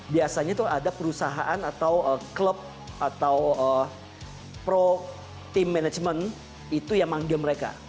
biasanya tuh ada perusahaan atau klub atau pro team management itu yang manggil mereka